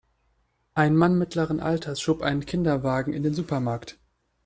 Ein Mann mittleren Alters schob einen Kinderwagen in den Supermarkt.